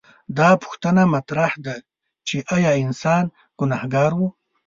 دا پوښتنه مطرح ده چې ایا انسان ګنهګار و؟